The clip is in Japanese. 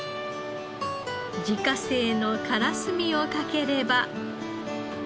自家製のからすみをかければ。